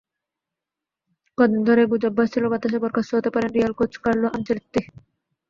কদিন ধরেই গুজব ভাসছিল বাতাসে, বরখাস্ত হতে পারেন রিয়াল কোচ কার্লো আনচেলত্তি।